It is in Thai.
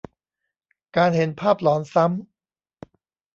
การเห็นภาพหลอนซ้ำ